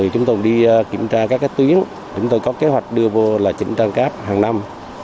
chúng tôi đi kiểm tra các tuyến chúng tôi có kế hoạch đưa vô là chỉnh trang cáp hàng năm